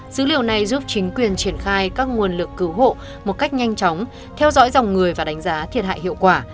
dữ liệu này giúp chính quyền triển khai các nguồn lực cứu hộ một cách nhanh chóng theo dõi dòng người và đánh giá thiệt hại hiệu quả